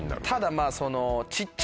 ただまぁその。